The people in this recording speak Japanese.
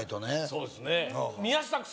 そうですね